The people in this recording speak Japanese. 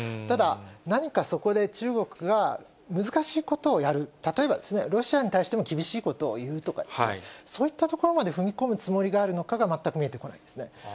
ただ、何かそこで中国が難しいことをやる、例えばロシアに対して厳しいことを言うとか、そういったところまで踏み込むつもりがあるのかが、全く見えてこないですね。